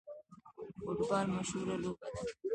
فوټبال مشهوره لوبه ده